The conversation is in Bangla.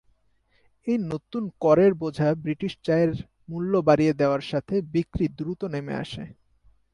এই নতুন করের বোঝা ব্রিটিশ চায়ের মুল্য বাড়িয়ে দেওয়ার সাথে, বিক্রি দ্রুত নেমে আসে।